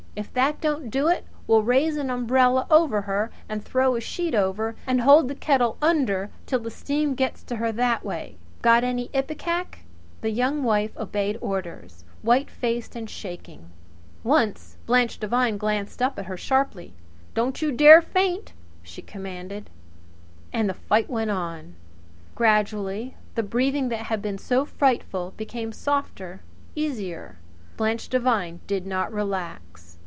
If that don't do it we'll raise an umbrella over her and throw a sheet over, and hold the kettle under till the steam gets to her that way. Got any ipecac?" The Young Wife obeyed orders, whitefaced and shaking. Once Blanche Devine glanced up at her sharply. "Don't you dare faint!" she commanded. And the fight went on. Gradually the breathing that had been so frightful became softer, easier. Blanche Devine did not relax.